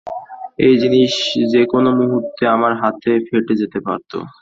এই জিনিস যেকোনো মুহুর্তে আমার হাতে ফেটে যেতে পারতো।